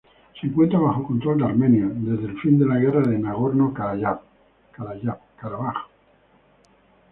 Se encuentra bajo control de Armenia desde el fin de la guerra de Nagorno-Karabaj.